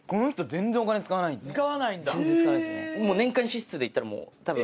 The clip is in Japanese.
全然使わないですね。